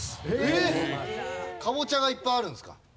カボチャがいっぱいあるんですか？